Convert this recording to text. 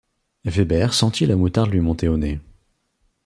Weber sentit la moutarde lui monter au nez.